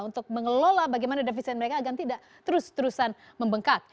untuk mengelola bagaimana defisit mereka agar tidak terus terusan membengkak